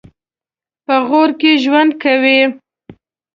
په غور کې ژوند کوي.